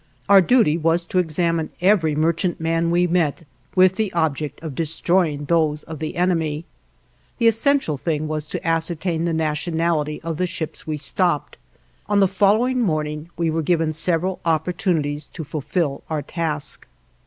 Our duty was to examine every merchantman we met with the object of destroying those of the enemy. The essential thing was to ascertain the nationality of the ships we stopped. On the following morning, we were given several opportunities to fulfill our task.